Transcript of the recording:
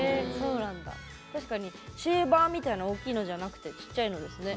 確かにシェーバーみたいな大きいのじゃなくてちっちゃいのですね。